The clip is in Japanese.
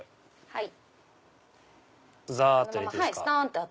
はい。